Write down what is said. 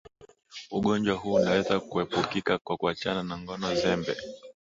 ugonjwa huu unaweza kuepukika kwa kuachana na ngono zembe